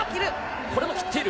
これも切っている。